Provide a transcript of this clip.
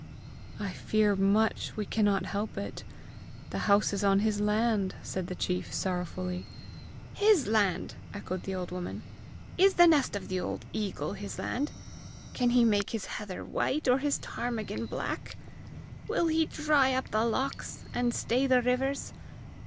"I fear much we cannot help it! the house is on his land!" said the chief sorrowfully. "His land!" echoed the old woman. "Is the nest of the old eagle his land? Can he make his heather white or his ptarmigan black? Will he dry up the lochs, and stay the rivers?